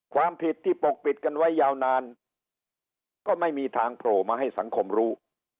ความผิดที่ปกปิดกันไว้ยาวนานก็ไม่มีทางโผล่มาให้สังคมรู้